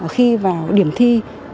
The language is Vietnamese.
khi vào điểm thi